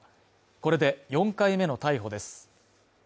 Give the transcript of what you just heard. これで４回目の逮捕です。